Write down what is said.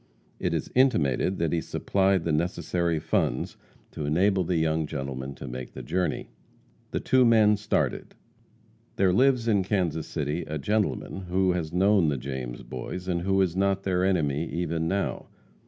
It is intimated that he supplied the necessary funds to enable the young gentleman to make the journey. The two men started. There lives in Kansas City a gentleman who has known the James Boys, and who is not their enemy, even now.